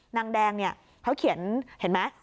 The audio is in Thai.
นางแดงเนี่ยเขาเขียนเห็นไหม